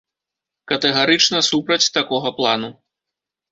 Катэгарычна супраць такога плану.